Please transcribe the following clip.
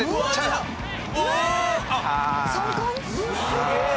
「すげえ！